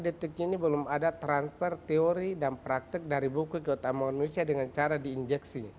detik ini belum ada transfer teori dan praktek dari buku kota manusia dengan cara diinjeksi